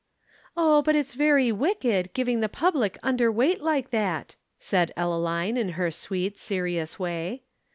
"Oh, but it's very wicked, giving the public underweight like that!" said Ellaline in her sweet, serious way.